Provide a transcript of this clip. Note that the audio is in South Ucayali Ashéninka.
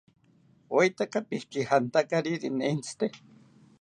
¿Oetaka pikijantakariri nentzite?